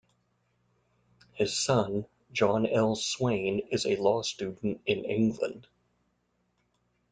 His son John L. Swaine is a law student in England.